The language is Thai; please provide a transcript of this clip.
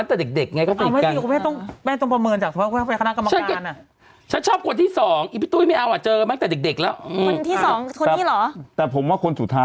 เนี้ยคนนี้คุณบรินาเข้าไปแซวนะ